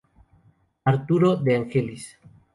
Arturo de Angelis.